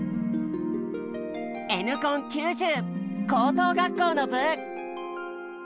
Ｎコン９０高等学校の部。